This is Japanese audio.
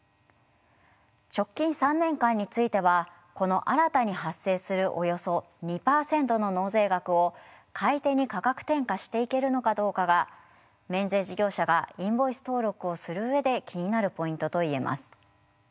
直近３年間についてはこの新たに発生するおよそ２％の納税額を買い手に価格転嫁していけるのかどうかが免税事業者がインボイス登録をする上で気になるポイントといえます。